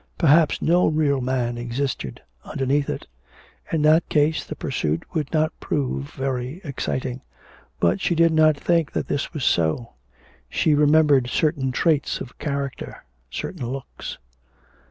Perhaps no real man existed underneath it. In that case the pursuit would not prove very exciting. But she did not think that this was so. She remembered certain traits of character, certain looks.